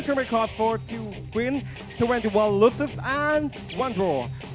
๓คู่ที่ผ่านมานั้นการันตีถึงความสนุกดูดเดือดที่แฟนมวยนั้นสัมผัสได้ครับ